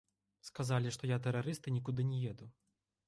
Сказалі, што я тэрарыст і нікуды не еду.